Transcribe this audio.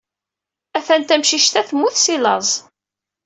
Atan tamcict-a temmut si laẓ.